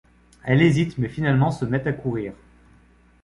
Elle hésite mais finalement se met à courir.